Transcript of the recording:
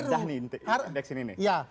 kita berdah nih indeks ini nih